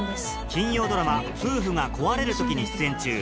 金曜ドラマ『夫婦が壊れるとき』に出演中